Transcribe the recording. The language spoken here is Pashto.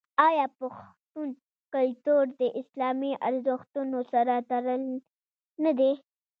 آیا پښتون کلتور د اسلامي ارزښتونو سره تړلی نه دی؟